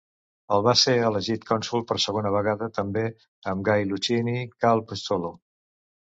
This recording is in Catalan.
El va ser elegit cònsol per segona vegada també amb Gai Licini Calb Estoló.